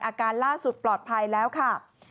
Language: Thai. อาการล่าสุดปลอดภัยแล้วค่ะ